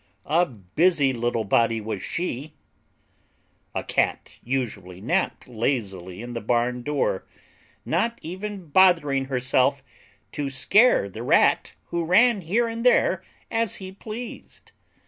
A busy little body was she! A cat usually napped lazily in the barn door, not even bothering herself to scare the rat who ran here and there as he pleased.